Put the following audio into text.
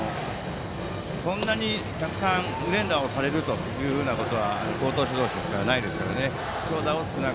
そんなにたくさん連打をされるというようなことは好投手同士ですからないでしょうからね。